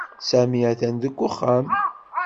Sami atan deg uxxam.